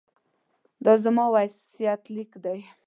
دا زما وصیت لیک دی.